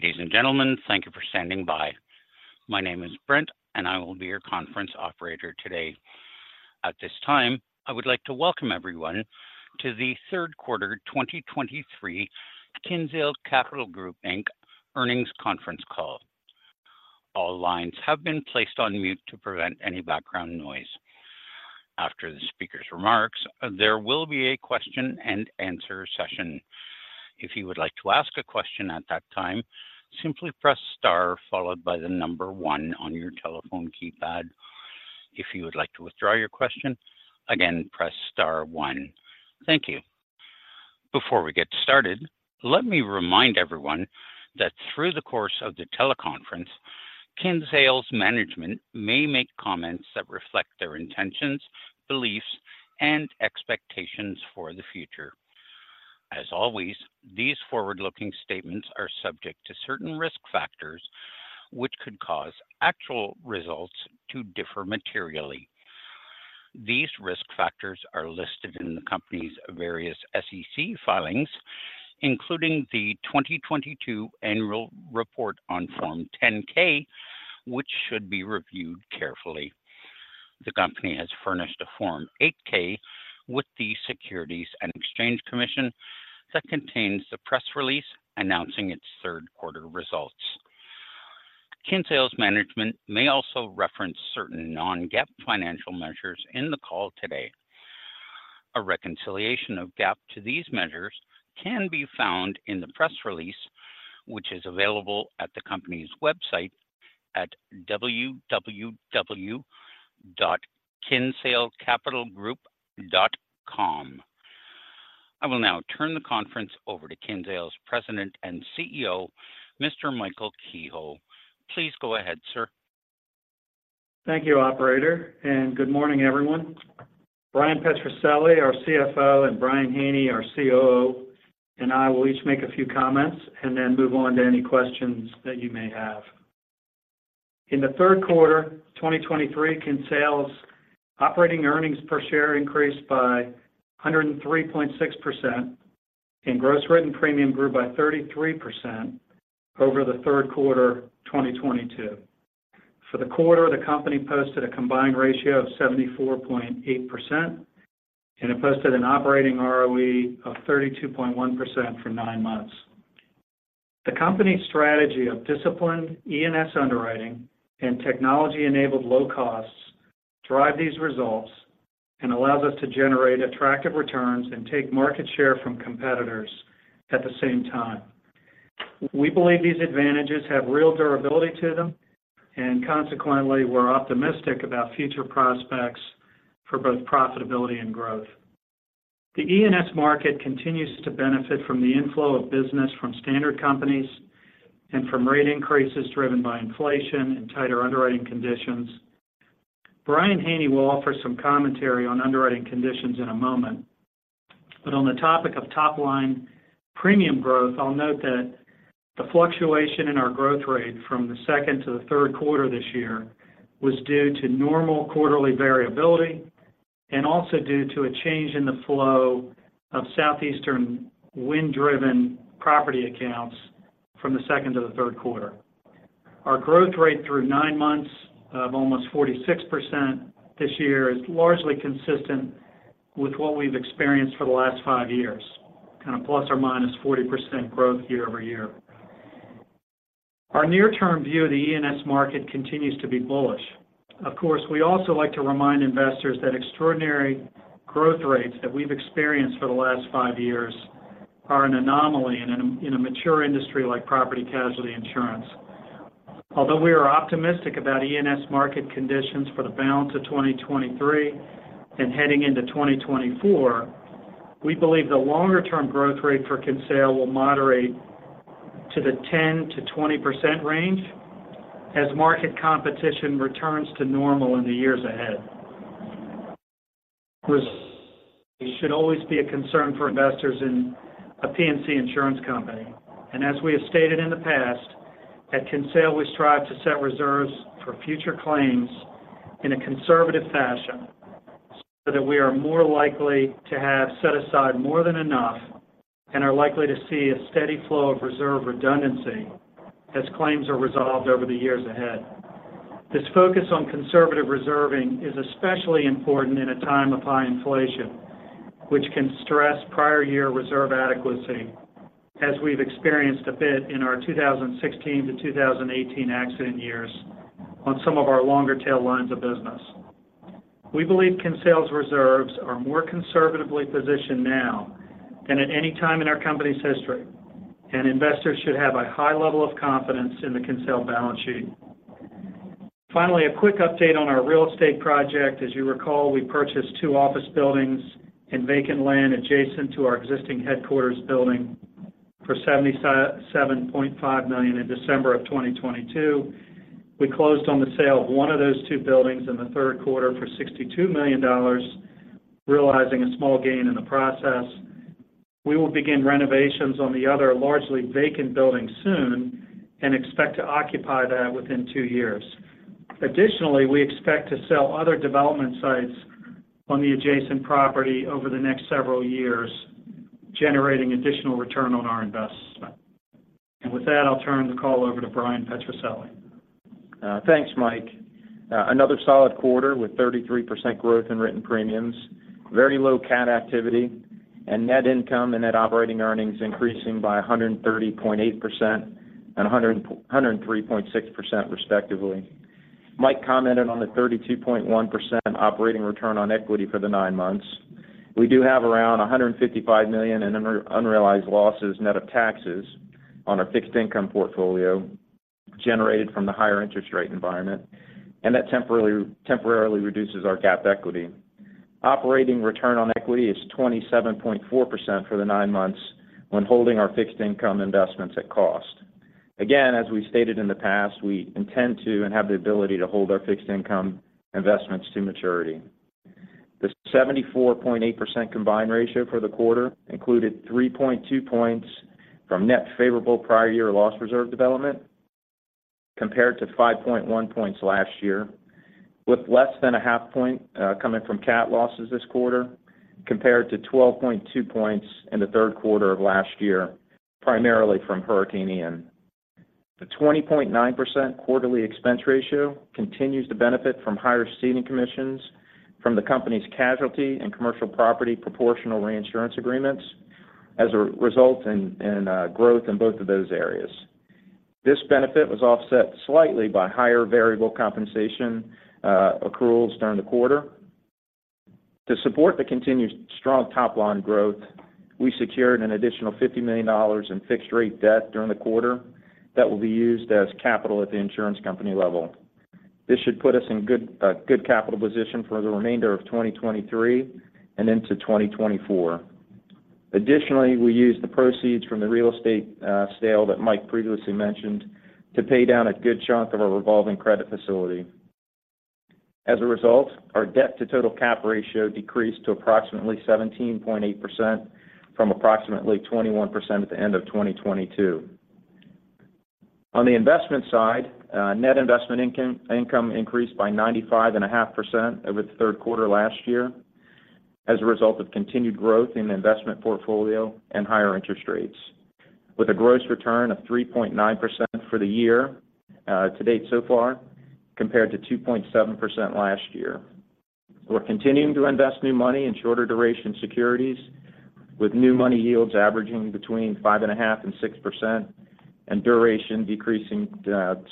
Ladies and gentlemen, thank you for standing by. My name is Brent, and I will be your conference operator today. At this time, I would like to welcome everyone to the third quarter 2023 Kinsale Capital Group, Inc. earnings conference call. All lines have been placed on mute to prevent any background noise. After the speaker's remarks, there will be a question-and-answer session. If you would like to ask a question at that time, simply press star followed by the number one on your telephone keypad. If you would like to withdraw your question, again, press star one. Thank you. Before we get started, let me remind everyone that through the course of the teleconference, Kinsale's management may make comments that reflect their intentions, beliefs, and expectations for the future. As always, these forward-looking statements are subject to certain risk factors, which could cause actual results to differ materially. These risk factors are listed in the company's various SEC filings, including the 2022 annual report on Form 10-K, which should be reviewed carefully. The company has furnished a Form 8-K with the Securities and Exchange Commission that contains the press release announcing its third quarter results. Kinsale's management may also reference certain non-GAAP financial measures in the call today. A reconciliation of GAAP to these measures can be found in the press release, which is available at the company's website at www.kinsalecapitalgroup.com. I will now turn the conference over to Kinsale's President and CEO, Mr. Michael Kehoe. Please go ahead, sir. Thank you, operator, and good morning, everyone. Bryan Petrucelli, our CFO, and Brian Haney, our COO, and I will each make a few comments and then move on to any questions that you may have. In the third quarter, 2023, Kinsale's operating earnings per share increased by 103.6%, and gross written premium grew by 33% over the third quarter, 2022. For the quarter, the company posted a combined ratio of 74.8%, and it posted an operating ROE of 32.1% for nine months. The company's strategy of disciplined E&S underwriting and technology-enabled low costs drive these results and allows us to generate attractive returns and take market share from competitors at the same time. We believe these advantages have real durability to them, and consequently, we're optimistic about future prospects for both profitability and growth. The E&S market continues to benefit from the inflow of business from standard companies and from rate increases driven by inflation and tighter underwriting conditions. Brian Haney will offer some commentary on underwriting conditions in a moment, but on the topic of top-line premium growth, I'll note that the fluctuation in our growth rate from the second to the third quarter this year was due to normal quarterly variability and also due to a change in the flow of southeastern wind-driven property accounts from the second to the third quarter. Our growth rate through nine months of almost 46% this year is largely consistent with what we've experienced for the last five years, kind of plus or minus 40% growth year-over-year. Our near-term view of the E&S market continues to be bullish. Of course, we also like to remind investors that extraordinary growth rates that we've experienced for the last five years are an anomaly in a mature industry like property casualty insurance. Although we are optimistic about E&S market conditions for the balance of 2023 and heading into 2024, we believe the longer term growth rate for Kinsale will moderate to the 10%-20% range as market competition returns to normal in the years ahead. Should always be a concern for investors in a P&C insurance company, and as we have stated in the past, at Kinsale, we strive to set reserves for future claims in a conservative fashion so that we are more likely to have set aside more than enough and are likely to see a steady flow of reserve redundancy as claims are resolved over the years ahead. This focus on conservative reserving is especially important in a time of high inflation, which can stress prior year reserve adequacy, as we've experienced a bit in our 2016 to 2018 accident years on some of our longer tail lines of business. We believe Kinsale's reserves are more conservatively positioned now than at any time in our company's history, and investors should have a high level of confidence in the Kinsale balance sheet. Finally, a quick update on our real estate project. As you recall, we purchased two office buildings and vacant land adjacent to our existing headquarters building for $77.5 million in December 2022. We closed on the sale of one of those two buildings in the third quarter for $62 million, realizing a small gain in the process. We will begin renovations on the other, largely vacant building soon and expect to occupy that within two years. Additionally, we expect to sell other development sites on the adjacent property over the next several years, generating additional return on our investment. And with that, I'll turn the call over to Bryan Petrucelli. Thanks, Mike. Another solid quarter with 33% growth in written premiums, very low cat activity, and net income and net operating earnings increasing by 130.8% and 103.6% respectively. Mike commented on the 32.1% operating return on equity for the nine months. We do have around $155 million in unrealized losses net of taxes on our fixed income portfolio, generated from the higher interest rate environment, and that temporarily reduces our GAAP equity. Operating return on equity is 27.4% for the nine months when holding our fixed income investments at cost. Again, as we've stated in the past, we intend to and have the ability to hold our fixed income investments to maturity. The 74.8% combined ratio for the quarter included 3.2 points from net favorable prior year loss reserve development, compared to 5.1 points last year, with less than a half point coming from cat losses this quarter, compared to 12.2 points in the third quarter of last year, primarily from Hurricane Ian. The 20.9% quarterly expense ratio continues to benefit from higher ceding commissions from the company's casualty and commercial property proportional reinsurance agreements as a result in growth in both of those areas. This benefit was offset slightly by higher variable compensation accruals during the quarter. To support the continued strong top-line growth, we secured an additional $50 million in fixed rate debt during the quarter that will be used as capital at the insurance company level. This should put us in good, a good capital position for the remainder of 2023 and into 2024. Additionally, we used the proceeds from the real estate sale that Mike previously mentioned to pay down a good chunk of our revolving credit facility. As a result, our debt to total cap ratio decreased to approximately 17.8%, from approximately 21% at the end of 2022. On the investment side, net investment income increased by 95.5% over the third quarter last year, as a result of continued growth in the investment portfolio and higher interest rates, with a gross return of 3.9% for the year to date so far, compared to 2.7% last year. We're continuing to invest new money in shorter duration securities, with new money yields averaging between 5.5% and 6%, and duration decreasing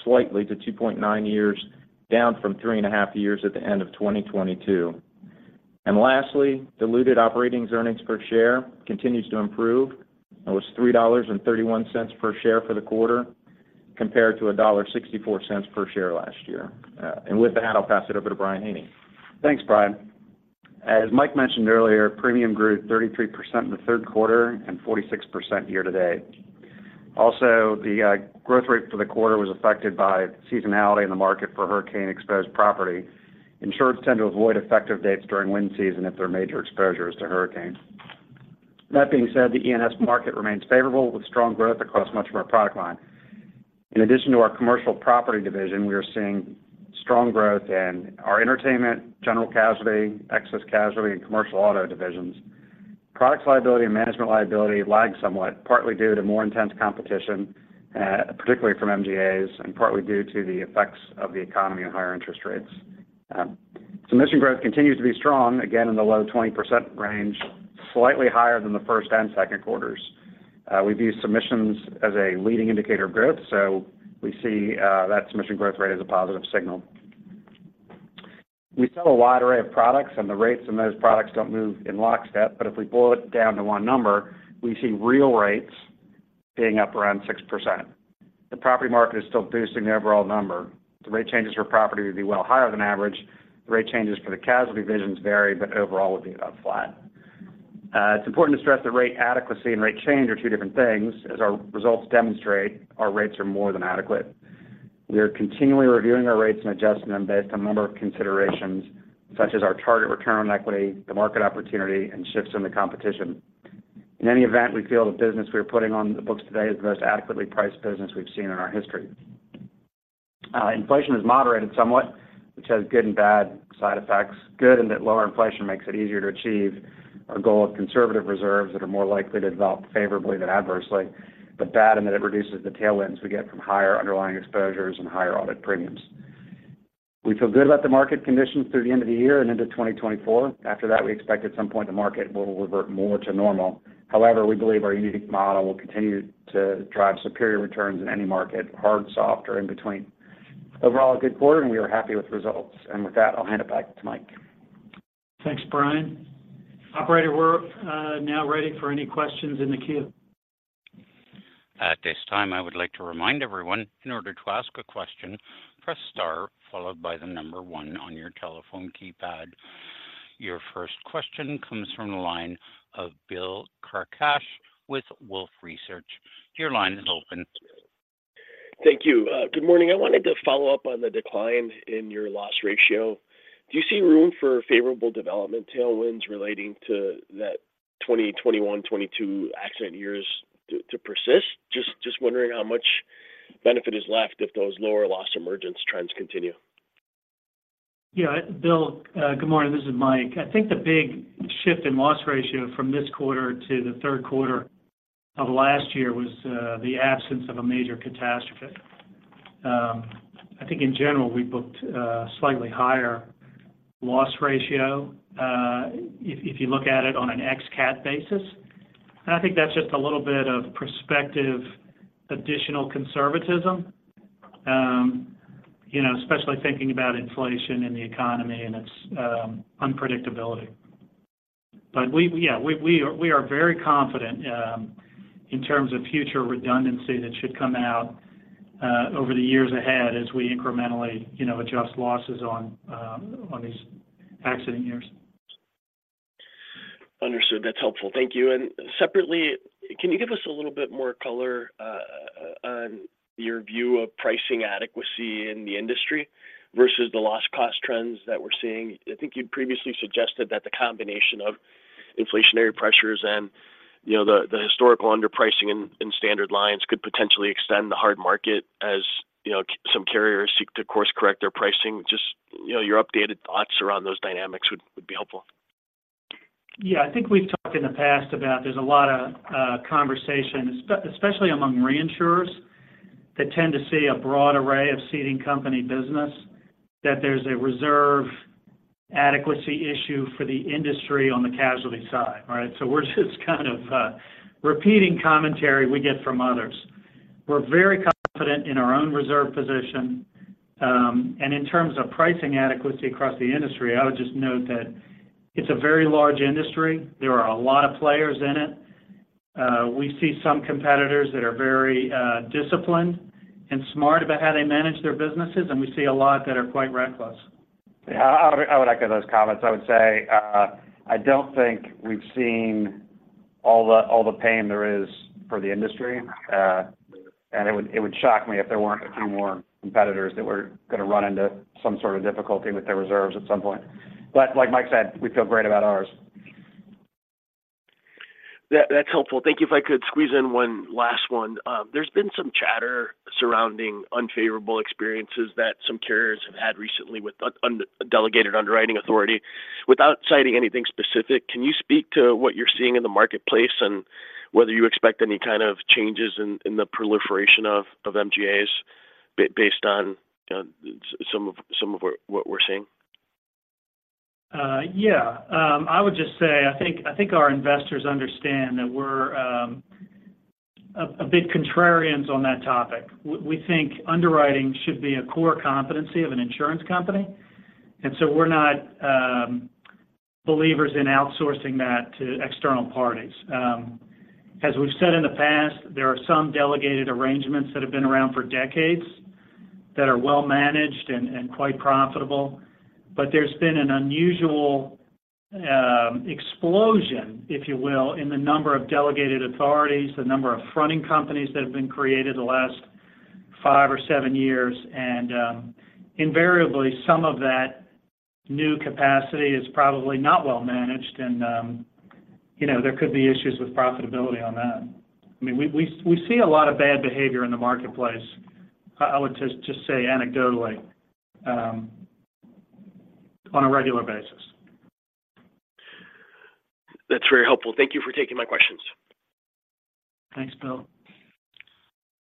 slightly to 2.9 years, down from 3.5 years at the end of 2022. And lastly, diluted operating earnings per share continues to improve, and was $3.31 per share for the quarter, compared to $1.64 per share last year. And with that, I'll pass it over to Brian Haney. Thanks, Brian. As Mike mentioned earlier, premium grew 33% in the third quarter and 46% year to date. Also, growth rate for the quarter was affected by seasonality in the market for hurricane-exposed property. Insurers tend to avoid effective dates during wind season if there are major exposures to hurricanes. That being said, the E&S market remains favorable, with strong growth across much of our product line. In addition to our commercial property division, we are seeing strong growth in our entertainment, general casualty, excess casualty, and commercial auto divisions. Products liability and management liability lag somewhat, partly due to more intense competition, particularly from MGAs, and partly due to the effects of the economy and higher interest rates. Submission growth continues to be strong, again, in the low 20% range, slightly higher than the first and second quarters. We view submissions as a leading indicator of growth, so we see that submission growth rate as a positive signal. We sell a wide array of products, and the rates in those products don't move in lockstep, but if we boil it down to one number, we see real rates being up around 6%. The property market is still boosting the overall number. The rate changes for property would be well higher than average. The rate changes for the casualty divisions vary but overall would be about flat. It's important to stress that rate adequacy and rate change are two different things. As our results demonstrate, our rates are more than adequate. We are continually reviewing our rates and adjusting them based on a number of considerations, such as our target return on equity, the market opportunity, and shifts in the competition. In any event, we feel the business we are putting on the books today is the most adequately priced business we've seen in our history. Inflation has moderated somewhat, which has good and bad side effects. Good, in that lower inflation makes it easier to achieve our goal of conservative reserves that are more likely to develop favorably than adversely. But bad, in that it reduces the tailwinds we get from higher underlying exposures and higher audit premiums. We feel good about the market conditions through the end of the year and into 2024. After that, we expect at some point the market will revert more to normal. However, we believe our unique model will continue to drive superior returns in any market, hard, soft, or in between. Overall, a good quarter, and we are happy with the results. With that, I'll hand it back to Mike. Thanks, Brian. Operator, we're now ready for any questions in the queue. At this time, I would like to remind everyone, in order to ask a question, press star, followed by the number one on your telephone keypad. Your first question comes from the line of Bill Carcache with Wolfe Research. Your line is open. Thank you. Good morning. I wanted to follow up on the decline in your loss ratio. Do you see room for favorable development tailwinds relating to that 2021, 2022 accident years to persist? Just wondering how much benefit is left if those lower loss emergence trends continue? Yeah, Bill, good morning, this is Mike. I think the big shift in loss ratio from this quarter to the third quarter of last year was the absence of a major catastrophe. I think in general, we booked slightly higher loss ratio if you look at it on an ex-cat basis. And I think that's just a little bit of prospective additional conservatism. You know, especially thinking about inflation and the economy and its unpredictability. But we are very confident in terms of future redundancy that should come out over the years ahead as we incrementally, you know, adjust losses on these accident years. Understood. That's helpful. Thank you. Separately, can you give us a little bit more color on your view of pricing adequacy in the industry versus the loss cost trends that we're seeing? I think you previously suggested that the combination of inflationary pressures and, you know, the historical underpricing in standard lines could potentially extend the hard market as, you know, some carriers seek to course correct their pricing. Just, you know, your updated thoughts around those dynamics would be helpful. Yeah. I think we've talked in the past about there's a lot of conversation, especially among reinsurers, that tend to see a broad array of ceding company business, that there's a reserve adequacy issue for the industry on the casualty side, right? So we're just kind of repeating commentary we get from others. We're very confident in our own reserve position. And in terms of pricing adequacy across the industry, I would just note that it's a very large industry. There are a lot of players in it. We see some competitors that are very disciplined and smart about how they manage their businesses, and we see a lot that are quite reckless. Yeah, I would echo those comments. I would say, I don't think we've seen all the pain there is for the industry. And it would shock me if there weren't a few more competitors that were gonna run into some sort of difficulty with their reserves at some point. But like Mike said, we feel great about ours. That, that's helpful. Thank you. If I could squeeze in one last one. There's been some chatter surrounding unfavorable experiences that some carriers have had recently with under-delegated underwriting authority. Without citing anything specific, can you speak to what you're seeing in the marketplace and whether you expect any kind of changes in the proliferation of MGAs based on some of what we're seeing? Yeah. I would just say, I think, I think our investors understand that we're a big contrarians on that topic. We think underwriting should be a core competency of an insurance company, and so we're not believers in outsourcing that to external parties. As we've said in the past, there are some delegated arrangements that have been around for decades, that are well managed and quite profitable. But there's been an unusual explosion, if you will, in the number of delegated authorities, the number of fronting companies that have been created the last five or seven years. Invariably, some of that new capacity is probably not well managed and you know, there could be issues with profitability on that. I mean, we see a lot of bad behavior in the marketplace. I would just say anecdotally on a regular basis. That's very helpful. Thank you for taking my questions. Thanks, Bill.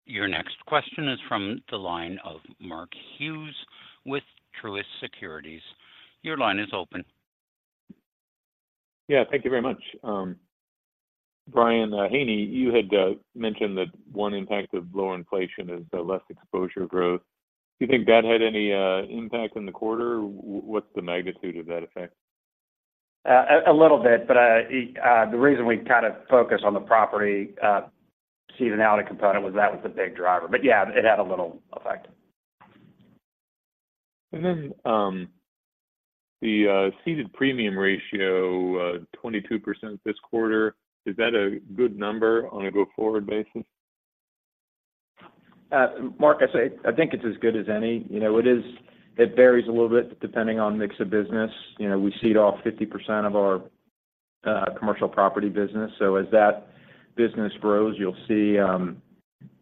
Your next question is from the line of Mark Hughes with Truist Securities. Your line is open. Yeah, thank you very much. Brian Haney, you had mentioned that one impact of lower inflation is the less exposure growth. Do you think that had any impact in the quarter? What's the magnitude of that effect? A little bit, but the reason we kind of focus on the property ceding and quota component was that was the big driver. But yeah, it had a little effect. The ceded premium ratio, 22% this quarter, is that a good number on a go-forward basis? Mark, I say, I think it's as good as any. You know, it is - it varies a little bit depending on mix of business. You know, we cede off 50% of our commercial property business. So as that business grows, you'll see,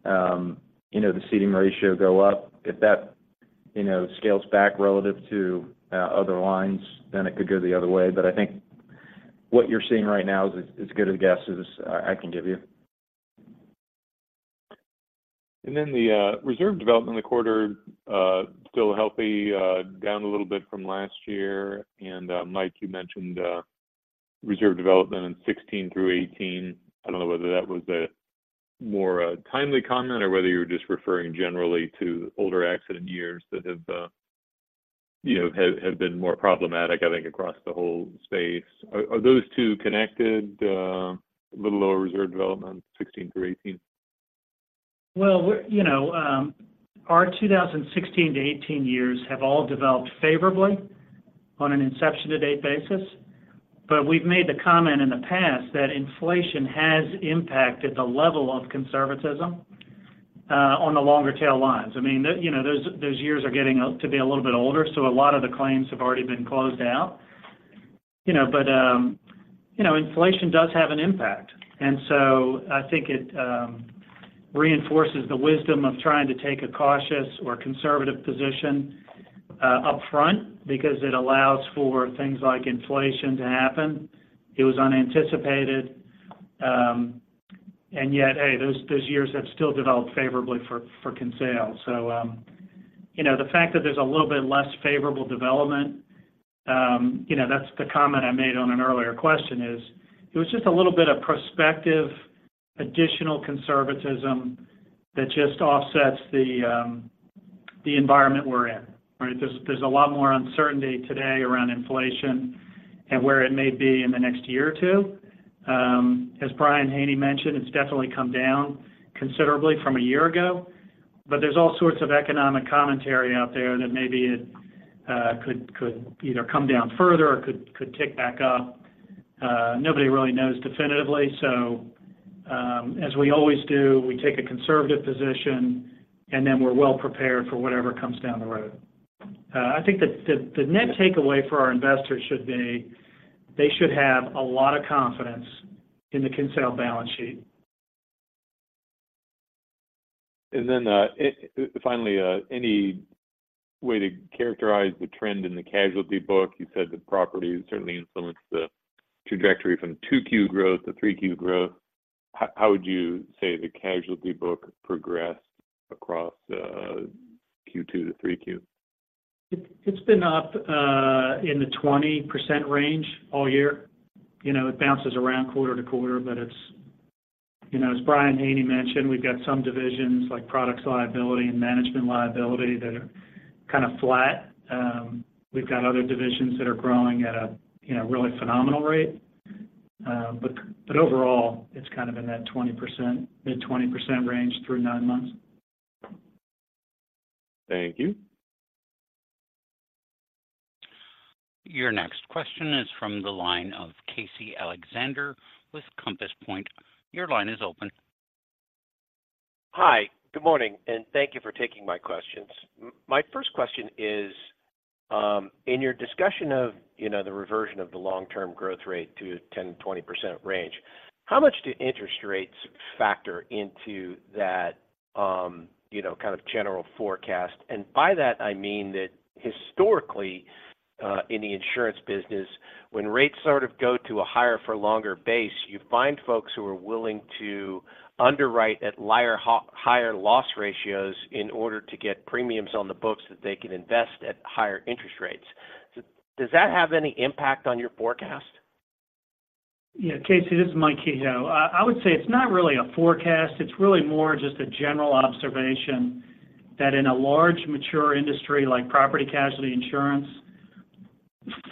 you know, the ceding ratio go up. If that, you know, scales back relative to other lines, then it could go the other way. But I think what you're seeing right now is as good a guess as I can give you. Then the reserve development in the quarter, still healthy, down a little bit from last year. Mike, you mentioned reserve development in 2016 through 2018. I don't know whether that was a more timely comment or whether you were just referring generally to older accident years that have, you know, have been more problematic, I think, across the whole space. Are those two connected, the lower reserve development, 2016 through 2018? Well, we're. You know, our 2016-2018 years have all developed favorably on an inception-to-date basis. But we've made the comment in the past that inflation has impacted the level of conservatism on the longer tail lines. I mean, the, you know, those, those years are getting to be a little bit older, so a lot of the claims have already been closed out. You know, but, you know, inflation does have an impact. And so I think it reinforces the wisdom of trying to take a cautious or conservative position upfront because it allows for things like inflation to happen. It was unanticipated, and yet, hey, those, those years have still developed favorably for, for Kinsale. So, you know, the fact that there's a little bit less favorable development, you know, that's the comment I made on an earlier question, is it was just a little bit of prospective, additional conservatism that just offsets the, the environment we're in, right? There's, there's a lot more uncertainty today around inflation and where it may be in the next year or two. As Brian Haney mentioned, it's definitely come down considerably from a year ago, but there's all sorts of economic commentary out there that maybe it, could, could either come down further or could, could tick back up. Nobody really knows definitively. So, as we always do, we take a conservative position, and then we're well prepared for whatever comes down the road. I think the net takeaway for our investors should be, they should have a lot of confidence in the consolidated balance sheet. And then, finally, any way to characterize the trend in the casualty book? You said the property certainly influenced the trajectory from 2Q growth to 3Q growth. How, how would you say the casualty book progressed across Q2-3Q? It's been up in the 20% range all year. You know, it bounces around quarter to quarter, but it's... You know, as Brian Haney mentioned, we've got some divisions like products liability and management liability that are kind of flat. We've got other divisions that are growing at a, you know, really phenomenal rate. But overall, it's kind of in that 20%, mid-20% range through nine months. Thank you. Your next question is from the line of Casey Alexander with Compass Point. Your line is open. Hi, good morning, and thank you for taking my questions. My first question is, in your discussion of, you know, the reversion of the long-term growth rate to 10%-20% range, how much do interest rates factor into that, you know, kind of general forecast? And by that, I mean that historically, in the insurance business, when rates sort of go to a higher for longer base, you find folks who are willing to underwrite at higher loss ratios in order to get premiums on the books that they can invest at higher interest rates. So does that have any impact on your forecast? Yeah, Casey, this is Mike Kehoe. I would say it's not really a forecast. It's really more just a general observation that in a large, mature industry like property casualty insurance,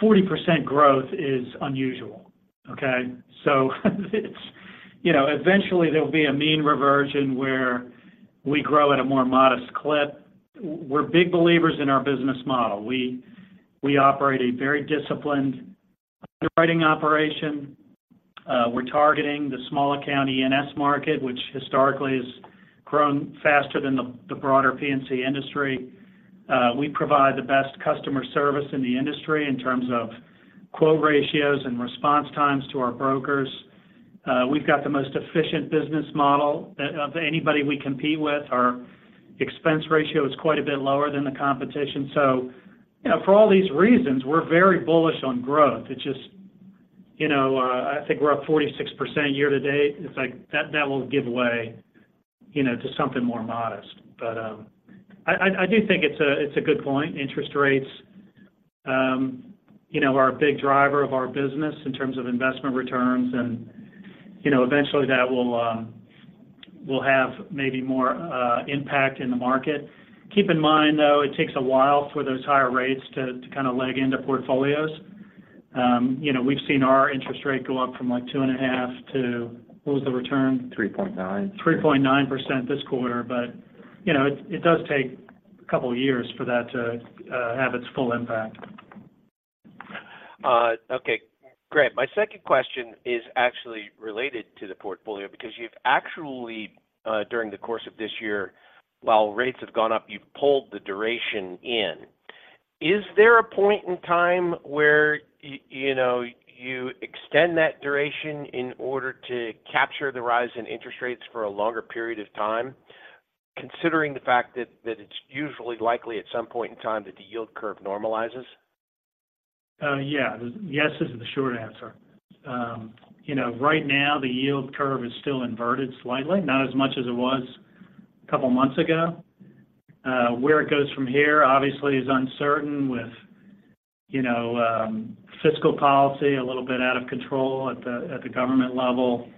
40% growth is unusual, okay? So it's, you know, eventually there will be a mean reversion where we grow at a more modest clip. We're big believers in our business model. We, we operate a very disciplined underwriting operation. We're targeting the small account E&S market, which historically has grown faster than the broader P&C industry. We provide the best customer service in the industry in terms of quote ratios and response times to our brokers. We've got the most efficient business model of anybody we compete with. Our expense ratio is quite a bit lower than the competition. So, you know, for all these reasons, we're very bullish on growth. It's just, you know, I think we're up 46% year to date. It's like that, that will give way, you know, to something more modest. I do think it's a, it's a good point. Interest rates, you know, are a big driver of our business in terms of investment returns and, you know, eventually that will, you know, will have maybe more impact in the market. Keep in mind, though, it takes a while for those higher rates to, to kind of leg into portfolios. You know, we've seen our interest rate go up from, like, 2.5% to... What was the return? 3.9%. 3.9% this quarter, but, you know, it does take a couple of years for that to have its full impact. Okay, great. My second question is actually related to the portfolio, because you've actually, during the course of this year, while rates have gone up, you've pulled the duration in. Is there a point in time where you know, you extend that duration in order to capture the rise in interest rates for a longer period of time, considering the fact that, that it's usually likely at some point in time that the yield curve normalizes? Yeah. Yes, is the short answer. You know, right now, the yield curve is still inverted slightly, not as much as it was a couple of months ago. Where it goes from here, obviously, is uncertain with, you know, fiscal policy a little bit out of control at the government level,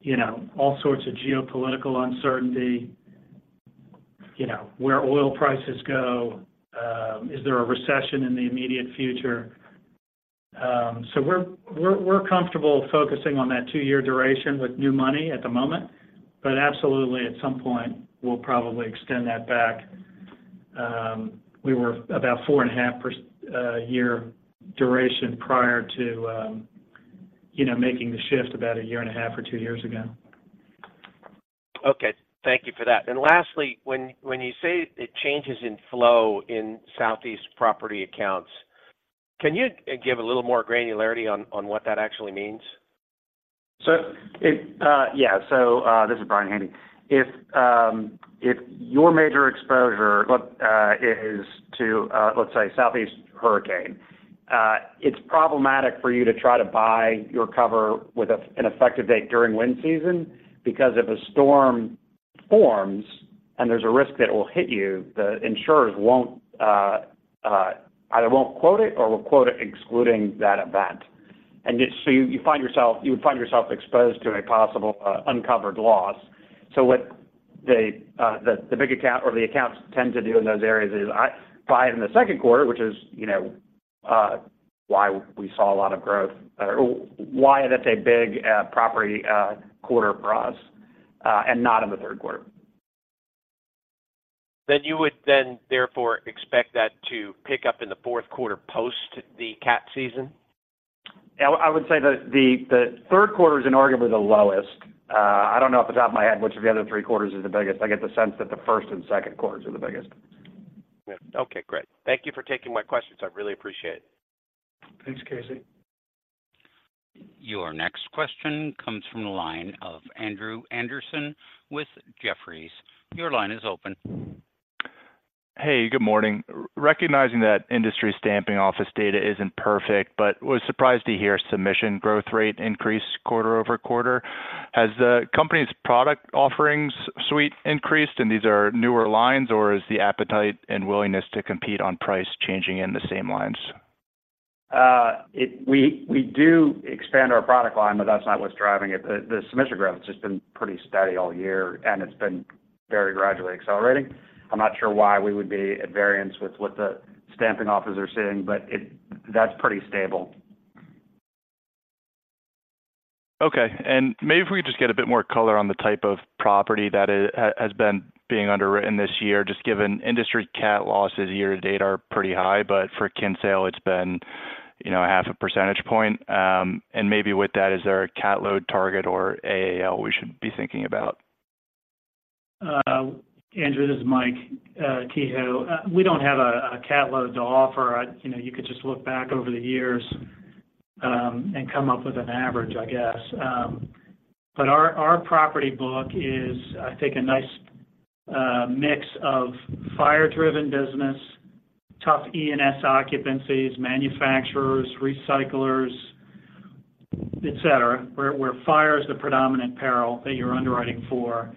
you know, all sorts of geopolitical uncertainty, you know, where oil prices go, is there a recession in the immediate future? So we're comfortable focusing on that two-year duration with new money at the moment, but absolutely, at some point, we'll probably extend that back. We were about 4.5-year duration prior to, you know, making the shift about 1.5 or two years ago.... Okay, thank you for that. And lastly, when, when you say it changes in flow in Southeast property accounts, can you give a little more granularity on, on what that actually means? So it, yeah. So, this is Brian Haney. If, if your major exposure is to, let's say, Southeast hurricane, it's problematic for you to try to buy your cover with a, an effective date during wind season, because if a storm forms and there's a risk that it will hit you, the insurers won't either quote it or will quote it excluding that event. And just so you, you find yourself you would find yourself exposed to a possible, uncovered loss. So what the, the big account or the accounts tend to do in those areas is I buy it in the second quarter, which is, you know, why we saw a lot of growth, or why that's a big, property, quarter for us, and not in the third quarter. You would then therefore expect that to pick up in the fourth quarter post the cat season? Yeah, I would say the third quarter is inarguably the lowest. I don't know off the top of my head which of the other three quarters is the biggest. I get the sense that the first and second quarters are the biggest. Yeah. Okay, great. Thank you for taking my questions. I really appreciate it. Thanks, Casey. Your next question comes from the line of Andrew Andersen with Jefferies. Your line is open. Hey, good morning. Recognizing that industry stamping office data isn't perfect but was surprised to hear submission growth rate increase quarter-over-quarter. Has the company's product offerings suite increased, and these are newer lines, or is the appetite and willingness to compete on price changing in the same lines? It—we do expand our product line, but that's not what's driving it. The submission growth has just been pretty steady all year, and it's been very gradually accelerating. I'm not sure why we would be at variance with what the stamping offices are seeing, but it—that's pretty stable. Okay. And maybe if we could just get a bit more color on the type of property that is, has been being underwritten this year, just given industry cat losses year to date are pretty high, but for Kinsale, it's been, you know, half a percentage point. And maybe with that, is there a cat load target or AAL we should be thinking about? Andrew, this is Mike Kehoe. We don't have a cat load to offer. You know, you could just look back over the years and come up with an average, I guess. But our property book is, I think, a nice mix of fire-driven business, tough E&S occupancies, manufacturers, recyclers, et cetera, where fire is the predominant peril that you're underwriting for.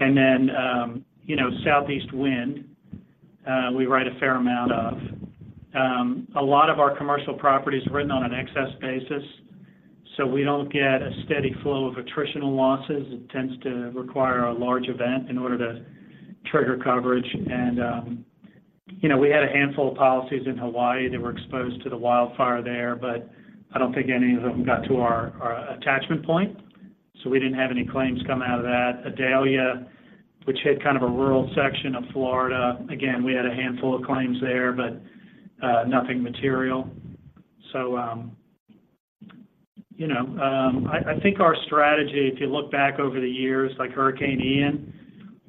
And then, you know, southeast wind we write a fair amount of. A lot of our commercial property is written on an excess basis, so we don't get a steady flow of attritional losses. It tends to require a large event in order to trigger coverage. You know, we had a handful of policies in Hawaii that were exposed to the wildfire there, but I don't think any of them got to our attachment point, so we didn't have any claims come out of that. Idalia, which hit kind of a rural section of Florida, again, we had a handful of claims there, but nothing material. You know, I think our strategy, if you look back over the years, like Hurricane Ian,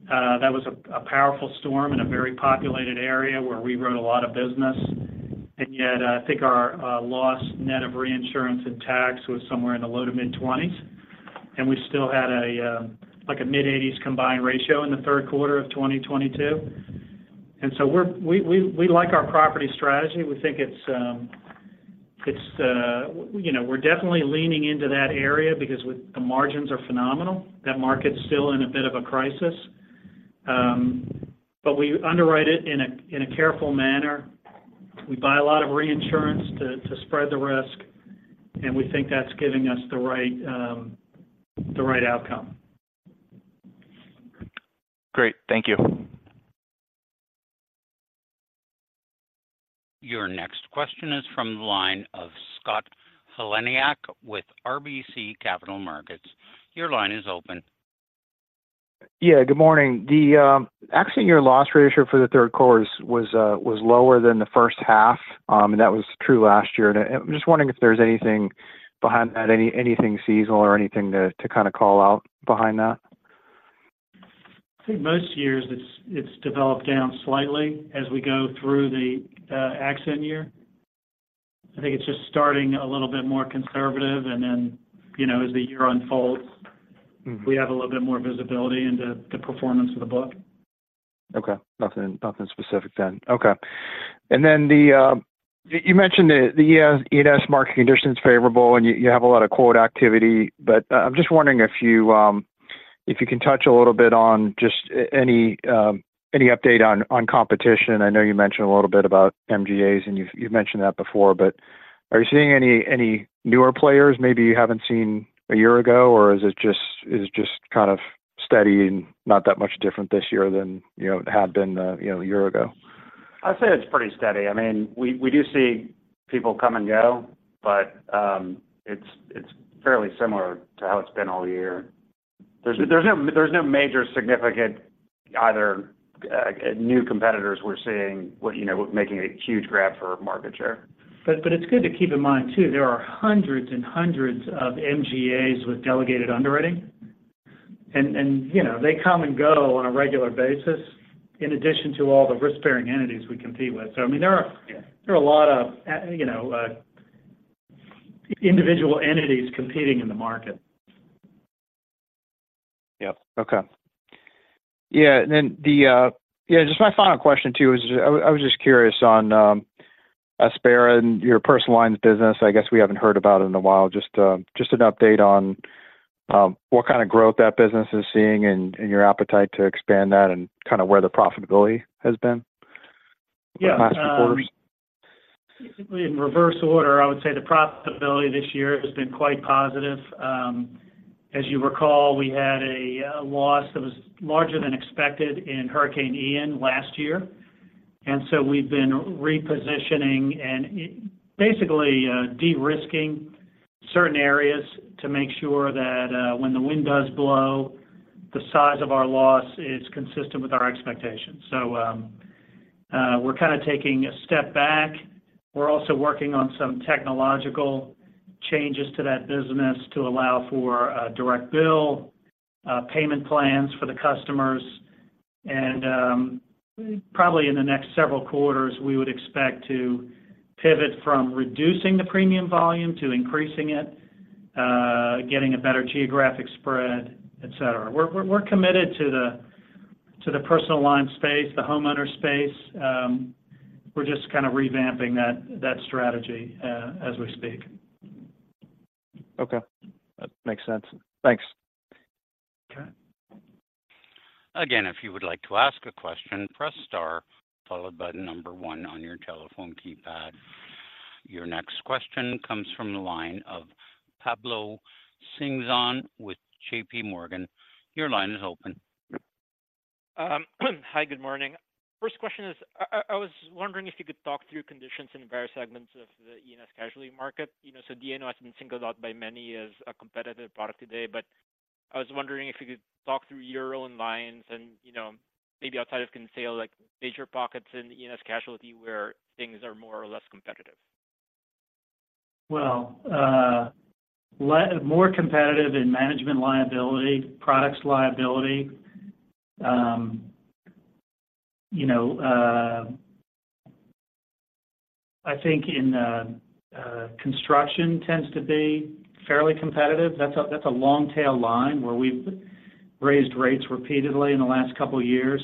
that was a powerful storm in a very populated area where we wrote a lot of business, and yet I think our loss net of reinsurance and tax was somewhere in the low to mid-20s, and we still had a mid-80s combined ratio in the third quarter of 2022. We're-- we like our property strategy. We think it's you know, we're definitely leaning into that area because with the margins are phenomenal. That market's still in a bit of a crisis, but we underwrite it in a careful manner. We buy a lot of reinsurance to spread the risk, and we think that's giving us the right outcome. Great. Thank you. Your next question is from the line of Scott Heleniak with RBC Capital Markets. Your line is open. Yeah, good morning. The Accident Year loss ratio for the third quarter was lower than the first half, and that was true last year. And I'm just wondering if there's anything behind that, anything seasonal or anything to kind of call out behind that? I think most years it's developed down slightly as we go through the Accident Year. I think it's just starting a little bit more conservative, and then, you know, as the year unfolds. Mm-hmm. We have a little bit more visibility into the performance of the book. Okay. Nothing, nothing specific then. Okay. And then you mentioned the E&S market conditions favorable, and you have a lot of quote activity, but I'm just wondering if you can touch a little bit on just any update on competition. I know you mentioned a little bit about MGAs, and you've mentioned that before, but are you seeing any newer players maybe you haven't seen a year ago? Or is it just kind of steady and not that much different this year than, you know, it had been, you know, a year ago? I'd say it's pretty steady. I mean, we do see people come and go, but it's fairly similar to how it's been all year. There's no major significant, Either, new competitors we're seeing, you know, making a huge grab for market share. But it's good to keep in mind too, there are hundreds and hundreds of MGAs with delegated underwriting. You know, they come and go on a regular basis, in addition to all the risk-bearing entities we compete with. So, I mean, there are. Yeah. There are a lot of, you know, individual entities competing in the market. Yep. Okay. Yeah, then the, yeah, just my final question to you is, I, I was just curious on, Aspera and your personal lines business. I guess we haven't heard about it in a while. Just, just an update on, what kind of growth that business is seeing and, and your appetite to expand that, and kind of where the profitability has been. Yeah. The last quarters. In reverse order, I would say the profitability this year has been quite positive. As you recall, we had a loss that was larger than expected in Hurricane Ian last year, and so we've been repositioning and basically de-risking certain areas to make sure that when the wind does blow, the size of our loss is consistent with our expectations. So we're kind of taking a step back. We're also working on some technological changes to that business to allow for a direct bill payment plans for the customers, and probably in the next several quarters, we would expect to pivot from reducing the premium volume to increasing it, getting a better geographic spread, et cetera. We're committed to the personal line space, the homeowner space. We're just kind of revamping that strategy as we speak. Okay. That makes sense. Thanks. Okay. Again, if you would like to ask a question, press star, followed by the number one on your telephone keypad. Your next question comes from the line of Pablo Singzon with JPMorgan. Your line is open. Hi, good morning. First question is, I was wondering if you could talk through conditions in various segments of the E&S casualty market. You know, so D&O has been singled out by many as a competitive product today, but I was wondering if you could talk through your own lines and, you know, maybe outside of Kinsale, like, major pockets in E&S casualty, where things are more or less competitive. Well, more competitive in management liability, products liability, you know, I think in construction tends to be fairly competitive. That's a long tail line where we've raised rates repeatedly in the last couple of years.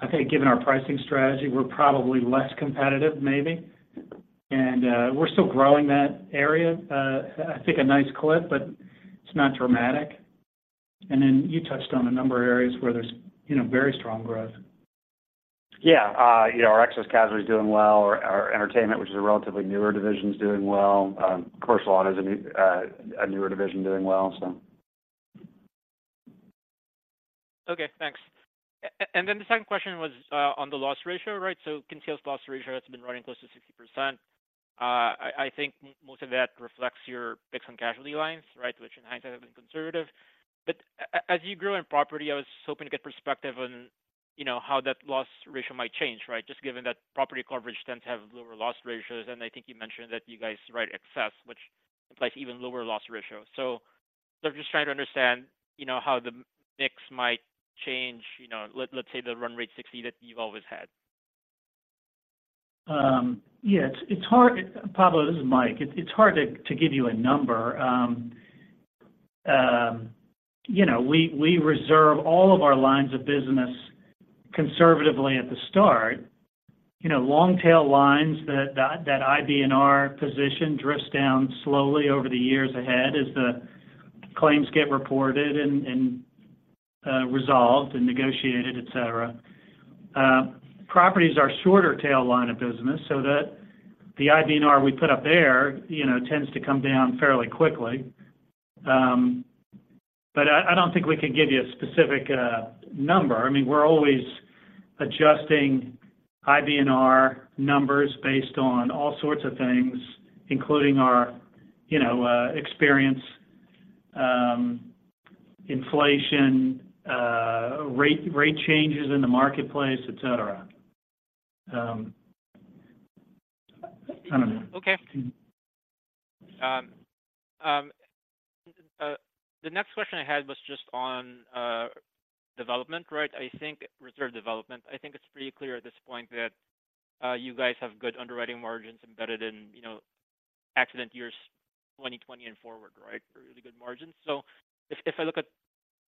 I think given our pricing strategy, we're probably less competitive maybe. We're still growing that area, I think a nice clip, but it's not dramatic. You touched on a number of areas where there's, you know, very strong growth. Yeah, you know, our excess casualty is doing well. Our entertainment, which is a relatively newer division, is doing well. Commercial auto is a new, a newer division, doing well, so. Okay, thanks. And then the second question was on the loss ratio, right? So consolidated loss ratio has been running close to 60%. I think most of that reflects your picks on casualty lines, right? Which in hindsight have been conservative. But as you grow in property, I was hoping to get perspective on, you know, how that loss ratio might change, right? Just given that property coverage tends to have lower loss ratios, and I think you mentioned that you guys write excess, which implies even lower loss ratio. So I'm just trying to understand, you know, how the mix might change, you know, let's say, the run rate 60 that you've always had. Yeah, it's hard, Pablo, this is Mike. It's hard to give you a number. You know, we reserve all of our lines of business conservatively at the start. You know, long tail lines that IBNR position drifts down slowly over the years ahead as the claims get reported and resolved and negotiated, et cetera. Properties are shorter tail line of business, so the IBNR we put up there, you know, tends to come down fairly quickly. But I don't think we can give you a specific number. I mean, we're always adjusting IBNR numbers based on all sorts of things, including our experience, inflation, rate changes in the marketplace, et cetera. I don't know. Okay. The next question I had was just on development, right? I think reserve development. I think it's pretty clear at this point that you guys have good underwriting margins embedded in, you know, accident years, 2020 and forward, right? Really good margins. If I look at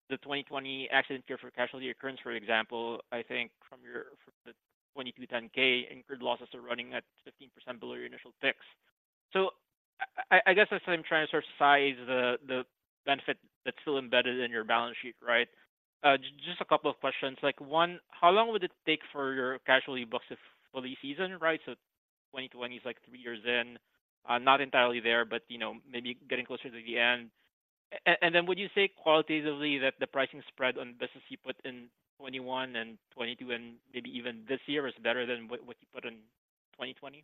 the 2020 accident year for casualty occurrence, for example, I think from your, from the 2022 10-K, incurred losses are running at 15% below your initial picks. I guess that's why I'm trying to sort of size the benefit that's still embedded in your balance sheet, right? Just a couple of questions. Like, one, how long would it take for your casualty books to fully season, right? 2020 is, like, three years in. Not entirely there, but you know, maybe getting closer to the end. And then would you say qualitatively that the pricing spread on business you put in 2021 and 2022 and maybe even this year, is better than what, what you put in 2020?...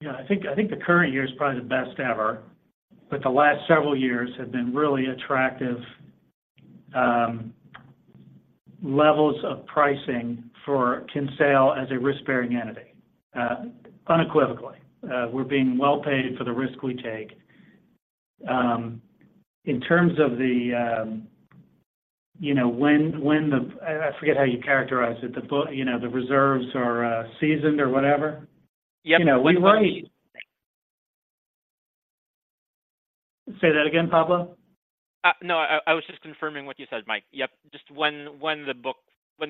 Yeah, I think, I think the current year is probably the best ever, but the last several years have been really attractive levels of pricing for Kinsale as a risk-bearing entity. Unequivocally, we're being well paid for the risk we take. In terms of the, you know, when, when the-- I, I forget how you characterized it, the book, you know, the reserves are seasoned or whatever. Yep. You know, say that again, Pablo? No, I was just confirming what you said, Mike. Yep, just when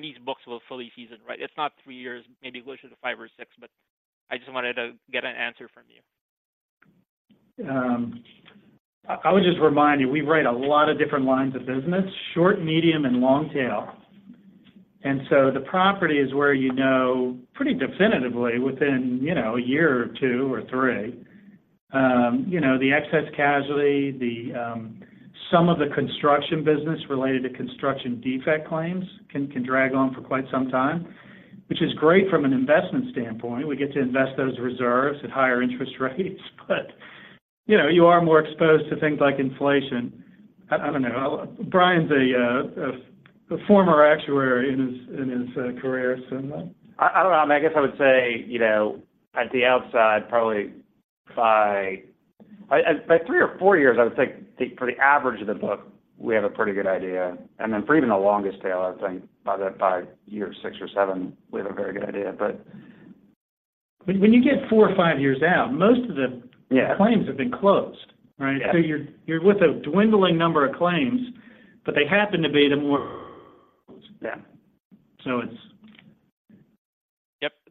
these books will fully season, right? It's not three years, maybe closer to five or six, but I just wanted to get an answer from you. I would just remind you, we write a lot of different lines of business: short, medium, and long tail. And so the property is where you know, pretty definitively within, you know, a year or two or three, you know, the excess casualty, some of the construction business related to construction defect claims can drag on for quite some time, which is great from an investment standpoint. We get to invest those reserves at higher interest rates, but, you know, you are more exposed to things like inflation. I don't know. Brian's a former actuary in his career, so- I don't know, I guess I would say, you know, at the outside, probably by three or four years, I would think for the average of the book, we have a pretty good idea. And then for even the longest tail, I think by the five years, six or seven, we have a very good idea but- When you get four or five years out, most of the. Yeah. Claims have been closed, right? Yeah. So you're with a dwindling number of claims, but they happen to be the more. Yeah. So it's.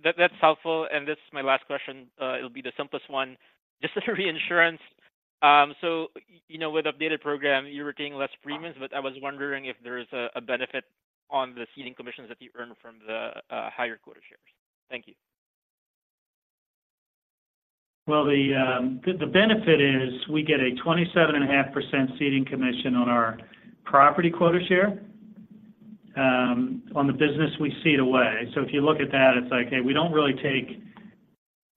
Yep, that's helpful, and this is my last question. It'll be the simplest one, just the reinsurance. So, you know, with updated program, you were getting less premiums, but I was wondering if there is a benefit on the ceding commissions that you earn from the higher quota shares. Thank you. Well, the benefit is we get a 27.5% ceding commission on our property quota share, on the business we cede away. So if you look at that, it's like, hey, we don't really take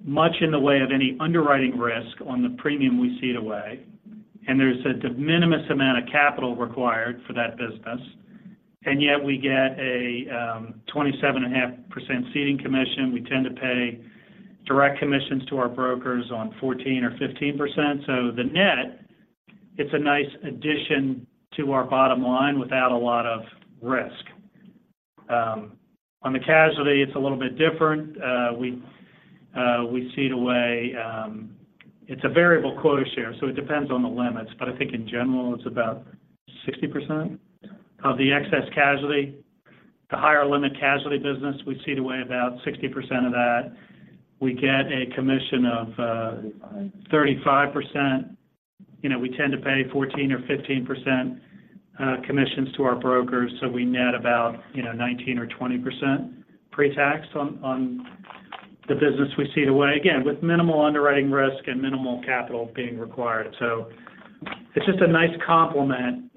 much in the way of any underwriting risk on the premium we cede away, and there's a de minimis amount of capital required for that business. And yet we get a 27.5% ceding commission. We tend to pay direct commissions to our brokers on 14% or 15%. So the net, it's a nice addition to our bottom line without a lot of risk. On the casualty, it's a little bit different. We cede away, it's a variable quota share, so it depends on the limits. I think in general, it's about 60% of the excess casualty. The higher limit casualty business, we cede away about 60% of that. We get a commission of 35%. You know, we tend to pay 14% or 15% commissions to our brokers, so we net about, you know, 19% or 20% pre-tax on the business we cede away. Again, with minimal underwriting risk and minimal capital being required. So it's just a nice complement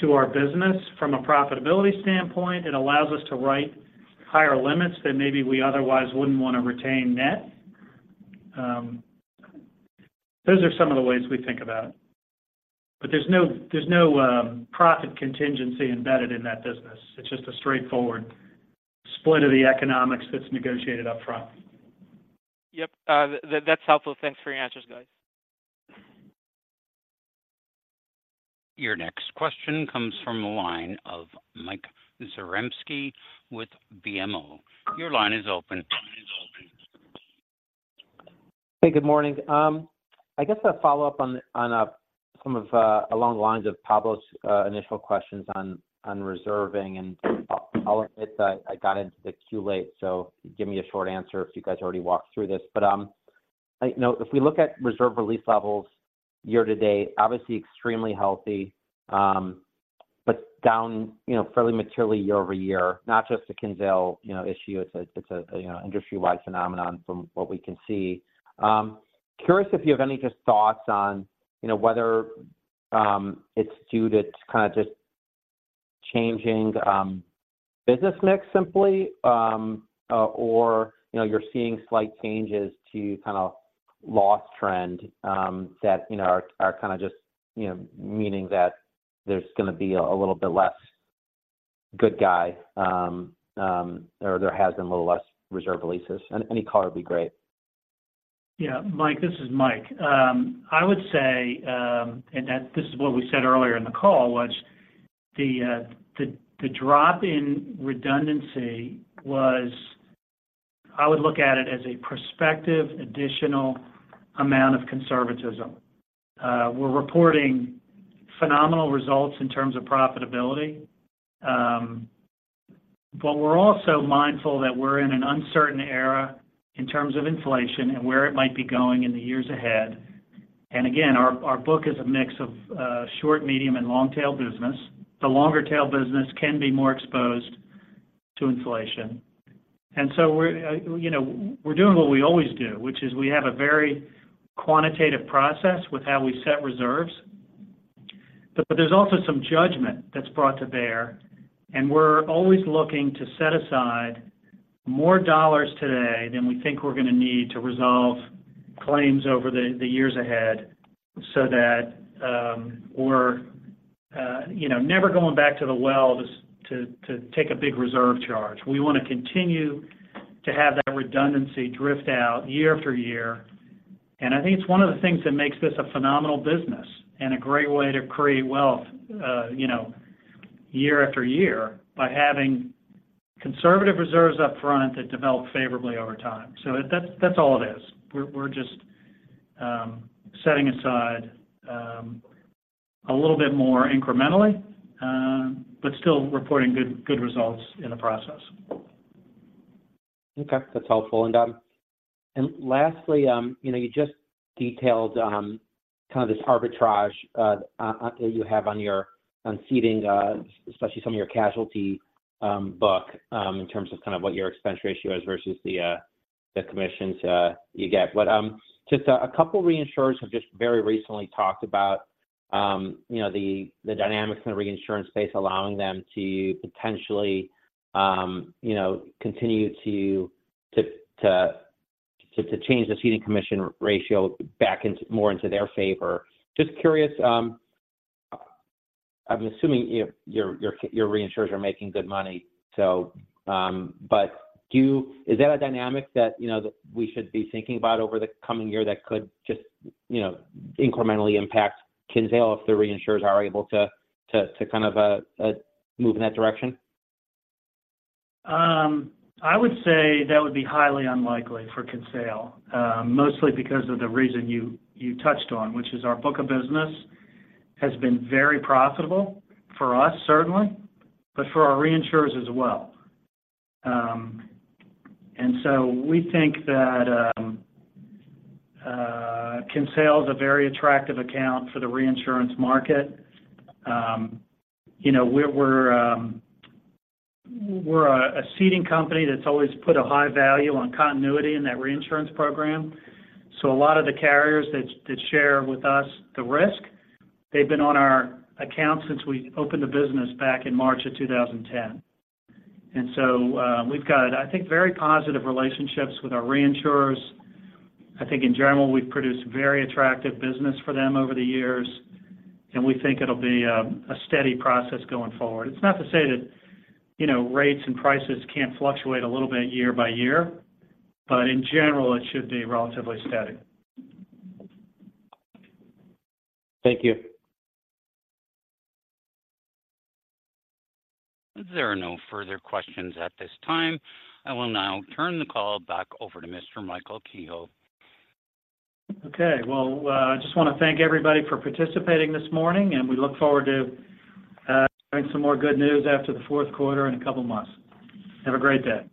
to our business from a profitability standpoint. It allows us to write higher limits than maybe we otherwise wouldn't want to retain net. Those are some of the ways we think about it. But there's no, there's no profit contingency embedded in that business. It's just a straightforward split of the economics that's negotiated upfront. Yep. That's helpful. Thanks for your answers, guys. Your next question comes from the line of Mike Zaremski with BMO. Your line is open. Hey, good morning. I guess a follow-up on, on, some of, along the lines of Pablo's initial questions on, on reserving, and I'll admit that I got into the queue late, so give me a short answer if you guys already walked through this. But, I know if we look at reserve release levels year to date, obviously extremely healthy, but down, you know, fairly materially year over year. Not just a Kinsale, you know, issue, it's a, it's a, you know, industry-wide phenomenon from what we can see. Curious if you have any just thoughts on, you know, whether it's due to kind of just changing business mix simply, or, you know, you're seeing slight changes to kind of loss trend that, you know, are kind of just, you know, meaning that there's going to be a little bit less good guy, or there has been a little less reserve releases. Any color would be great. Yeah, Mike, this is Mike. I would say, and that this is what we said earlier in the call, was the drop in redundancy was... I would look at it as a prospective additional amount of conservatism. We're reporting phenomenal results in terms of profitability, but we're also mindful that we're in an uncertain era in terms of inflation and where it might be going in the years ahead. And again, our book is a mix of short, medium, and long tail business. The longer tail business can be more exposed to inflation. And so we're, you know, we're doing what we always do, which is we have a very quantitative process with how we set reserves.... But there's also some judgment that's brought to bear, and we're always looking to set aside more dollars today than we think we're going to need to resolve claims over the years ahead, so that we're, you know, never going back to the well just to take a big reserve charge. We want to continue to have that redundancy drift out year after year. And I think it's one of the things that makes this a phenomenal business and a great way to create wealth, you know, year after year, by having conservative reserves up front that develop favorably over time. So that's all it is. We're just setting aside a little bit more incrementally, but still reporting good results in the process. Okay, that's helpful. And lastly, you know, you just detailed, kind of this arbitrage that you have on your ceding, especially some of your casualty book, in terms of kind of what your expense ratio is versus the, the commissions you get. But, just a couple of reinsurers have just very recently talked about, you know, the dynamics in the reinsurance space, allowing them to potentially, you know, continue to change the ceding commission ratio back into-- more into their favor. Just curious, I'm assuming if your reinsurers are making good money. So, but do you—is that a dynamic that, you know, that we should be thinking about over the coming year that could just, you know, incrementally impact Kinsale if the reinsurers are able to kind of move in that direction? I would say that would be highly unlikely for Kinsale, mostly because of the reason you touched on, which is our book of business has been very profitable for us, certainly, but for our reinsurers as well. And so we think that Kinsale is a very attractive account for the reinsurance market. You know, we're a ceding company that's always put a high value on continuity in that reinsurance program. So a lot of the carriers that share with us the risk, they've been on our account since we opened the business back in March 2010. And so we've got, I think, very positive relationships with our reinsurers. I think in general, we've produced very attractive business for them over the years, and we think it'll be a steady process going forward. It's not to say that, you know, rates and prices can't fluctuate a little bit year by year, but in general, it should be relatively steady. Thank you. There are no further questions at this time. I will now turn the call back over to Mr. Michael Kehoe. Okay. Well, I just want to thank everybody for participating this morning, and we look forward to sharing some more good news after the fourth quarter in a couple of months. Have a great day.